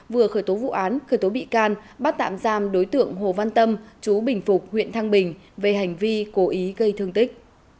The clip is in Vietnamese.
vừa khởi tố vụ án khởi tố bị can bắt tạm giam đối tượng hồ văn tâm chú bình phục huyện thăng bình về hành vi cố ý gây thương tích